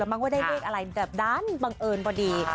มักว่าได้เลขอะไรแบบด้านบังเอิญพอดี